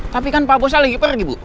tapi kan pak bosnya lagi pergi bu